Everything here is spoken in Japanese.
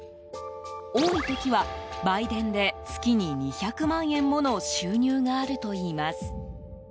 多い時は売電で月に２００万円もの収入があるといいます。